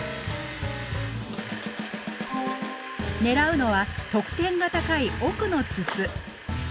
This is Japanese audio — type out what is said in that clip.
狙うのは得点が高い奥の筒。